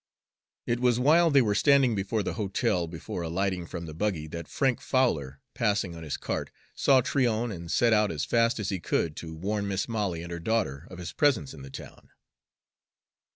It was while they were standing before the hotel, before alighting from the buggy, that Frank Fowler, passing on his cart, saw Tryon and set out as fast as he could to warn Mis' Molly and her daughter of his presence in the town.